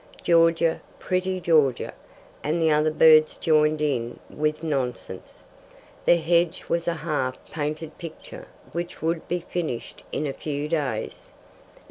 "Georgia, pretty Georgia," and the other birds joined in with nonsense. The hedge was a half painted picture which would be finished in a few days.